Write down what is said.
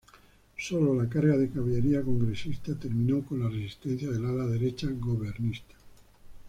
Solo la carga de caballería congresista, terminó con la resistencia del ala derecha gobiernista.